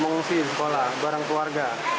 mengungsi sekolah bareng keluarga